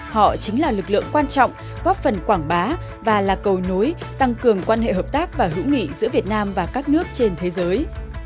họ chính là lực lượng quan trọng góp phần quảng bá và là cầu nối tăng cường quan hệ hợp tác và hữu nghị giữa việt nam và nước ngoài